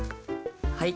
はい。